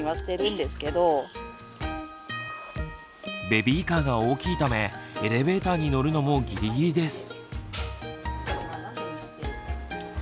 ベビーカーが大きいためエレベーターに乗るのもギリギリです。